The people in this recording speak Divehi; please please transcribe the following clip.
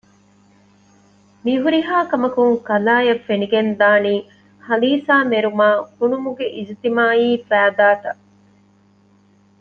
މިހުރިހާކަމަކުން ކަލާއަށް ފެނިގެންދާނީ ހަލީސާމެރުމާ ހުނުމުގެ އިޖުތިމާޢީ ފައިދާތައް